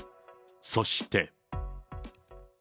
そして。